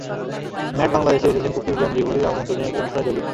Mat বাংলাদেশে এসেছেন cookies brand রিভোলির আমন্ত্রণে একটি অনুষ্ঠানে যোগ দিতে।